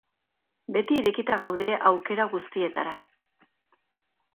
Beti irekita gaude aukera guztietara.